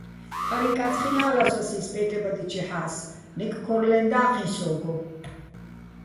ფჰ̦არიჼკა́წ ხილ'ა́ლასო̆, ას ის პეჲტებადიჩეჰ̦ა́ს, ნეკ ქორლეჼ და́ჴიჼ სოგო.